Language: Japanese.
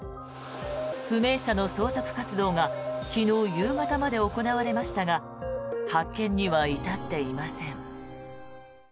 不明者の捜索活動が昨日夕方まで行われましたが発見には至っていません。